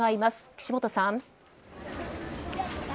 岸本さん。